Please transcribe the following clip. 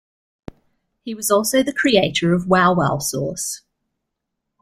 He was also the creator of Wow-Wow sauce.